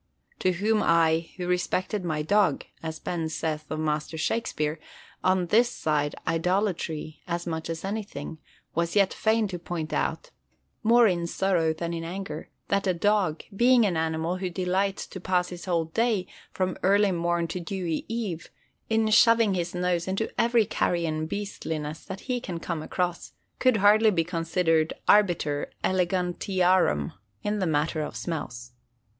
To whom I, who respected my dog (as Ben saith of Master Shakespeare) on this side idolatry as much as anything, was yet fain to point out—more in sorrow than in anger—that a dog, being an animal who delights to pass his whole day, from early morn to dewy eve, in shoving his nose into every carrion beastliness that he can come across, could hardly be considered arbiter elegantiarum in the matter of smells.